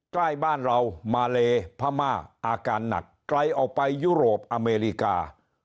ใกล้บ้านเรามาเลพม่าอาการหนักไกลออกไปยุโรปอเมริกา